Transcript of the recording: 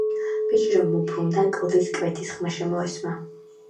ბიჭი რომ მობრუნდა, კლდის კვეთის ხმა შემოესმა.